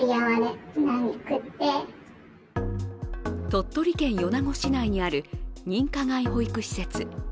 鳥取県米子市内にある認可外保育施設。